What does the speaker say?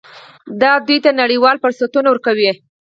دا دوی ته نړیوال فرصتونه ورکوي.